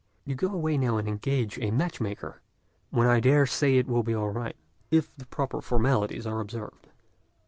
You go away now and engage a match maker, when I dare say it will be all right if the proper formalities are observed."